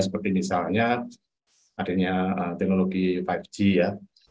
seperti misalnya adanya teknologi lima g ya